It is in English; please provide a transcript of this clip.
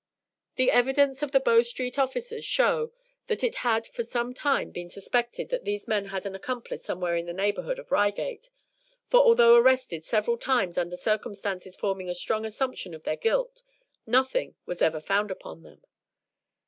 The evidence of the Bow Street officers show that it had for some time been suspected that these men had an accomplice somewhere in the neighborhood of Reigate, for although arrested several times under circumstances forming a strong assumption of their guilt, nothing was ever found upon them.